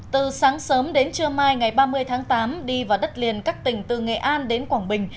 từ sáng sớm đến trưa mai ngày ba mươi tháng tám đi vào đất liền các tỉnh từ nghệ an đến quảng bình